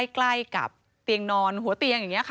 ใกล้กับเตียงนอนหัวเตียงอย่างนี้ค่ะ